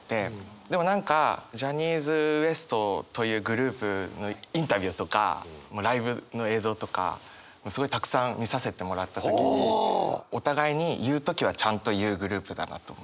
でも何かジャニーズＷＥＳＴというグループのインタビューとかライブの映像とかすごいたくさん見させてもらった時にお互いに言う時はちゃんと言うグループだなと思って。